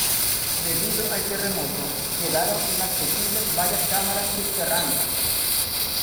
Debido al terremoto, quedaron inaccesibles varias cámaras subterráneas.